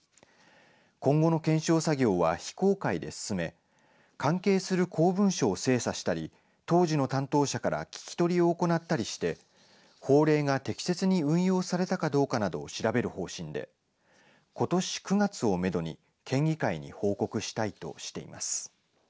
今後の検証作業は非公開で進め関係する公文書を精査したり当時の担当者から聞き取りを行ったりして法令が適切に運用されたかどうかなどを調べる方針でことし９月をめどに県議会に報告したいとしています。